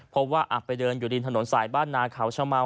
ว่าไปเดินอยู่ริมถนนสายบ้านนาเขาชะเมา